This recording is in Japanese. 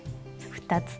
２つ。